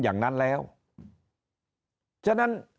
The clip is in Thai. อย่างนั้นแล้วฉะนั้น